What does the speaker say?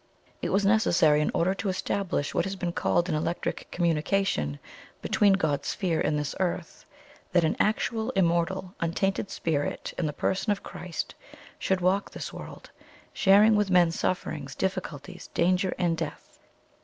"It was necessary, in order to establish what has been called an electric communication between God's Sphere and this Earth, that an actual immortal, untainted Spirit in the person of Christ should walk this world, sharing with men sufferings, difficulties, danger, and death.